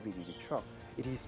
besar dan tumbuh